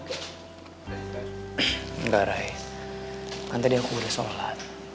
enggak ray kan tadi aku udah sholat